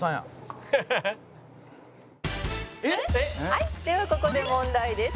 「はいではここで問題です」